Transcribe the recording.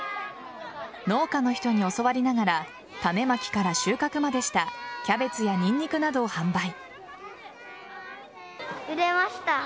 農家の人に教わりながら種まきから収穫までしたキャベツやニンニクなどを販売。